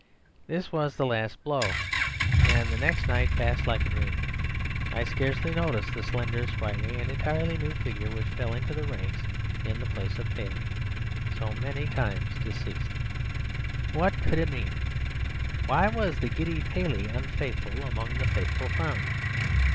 This was the last blow, and the next night passed like a dream. I scarcely noticed the slender, sprightly, and entirely new figure which fell into the ranks in the place of Paley, so many times deceased. What could it mean? Why was the giddy Paley unfaithful among the faithful found?